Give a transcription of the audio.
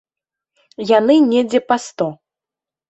Яны недзе па сто.